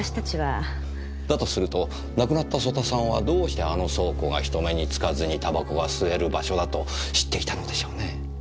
だとすると亡くなった曽田さんはどうしてあの倉庫が人目につかずに煙草が吸える場所だと知っていたのでしょうねぇ？